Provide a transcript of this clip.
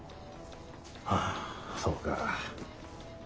ああそうか。